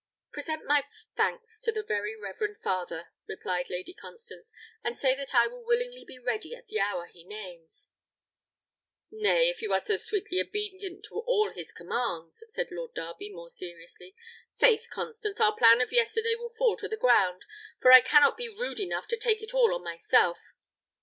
"Present my thanks unto the very reverend father," replied Lady Constance, "and say that I will willingly be ready at the hour he names." "Nay, if you are so sweetly obedient to all his commands," said Lord Darby, more seriously, "'faith, Constance, our plan of yesterday will fall to the ground; for I cannot be rude enough to take it all on myself."